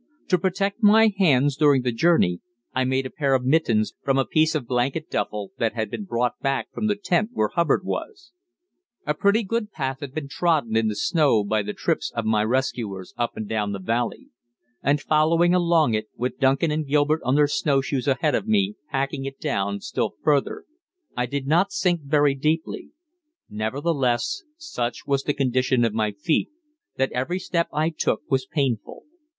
To protect my hands during the journey I made a pair of mittens from a piece of blanket duffel that had been brought back from the tent where Hubbard was. A pretty good path had been trodden in the snow by the trips of my rescuers up and down the valley, and following along it, with Duncan and Gilbert on their snowshoes ahead of me packing it down still further, I did not sink very deeply; nevertheless, such was the condition of my feet that every step I took was painful.